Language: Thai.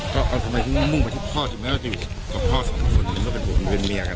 อเจมส์ก็เอาทำไมที่มุ่งไปที่พ่อที่ไม่ได้อยู่กับพ่อสองคนก็เป็นผู้ห่วงเพื่อนเมียกันครับ